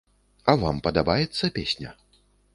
А вам падабаецца песня?